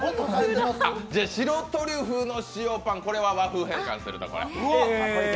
白トリュフの塩パン和風変換すると？